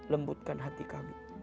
lembutkan hati kami